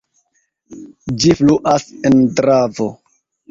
Ĝi fluas en Dravo.